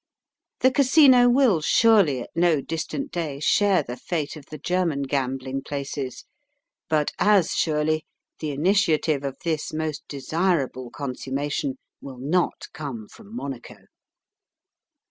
The Casino will surely at no distant day share the fate of the German gambling places. But, as surely, the initiative of this most desirable consummation will not come from Monaco.